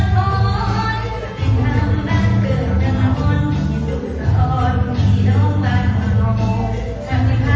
ถ้าเป็นห้ามรักเกินกันละอ่อนมีสุขสะออนมีร้องบ้านหล่อ